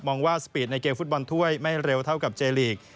ว่าสปีดในเกมฟุตบอลถ้วยไม่เร็วเท่ากับเจลีก